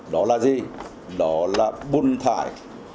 đó là gì đó là bùn thải